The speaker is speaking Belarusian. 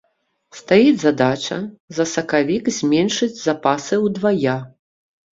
Стаіць задача за сакавік зменшыць запасы ўдвая.